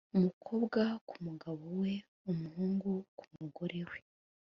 umukobwa ku mugabo we, umuhungu ku mugore we